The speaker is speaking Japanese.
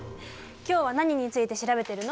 今日は何について調べてるの？